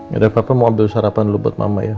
gak ada apa apa mau ambil sarapan dulu buat mama ya